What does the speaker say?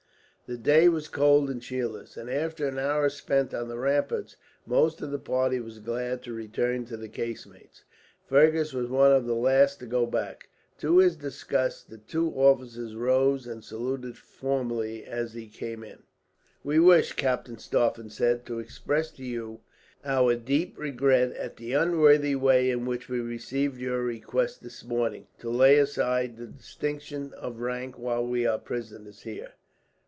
The day was cold and cheerless, and after an hour spent on the rampart most of the party were glad to return to the casemates. Fergus was one of the last to go back. To his disgust the two officers rose and saluted formally, as he came in. "We wish," Captain Stauffen said, "to express to you our deep regret at the unworthy way in which we received your request, this morning, to lay aside the distinction of rank while we are prisoners here.